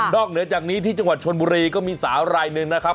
เหนือจากนี้ที่จังหวัดชนบุรีก็มีสาวรายหนึ่งนะครับ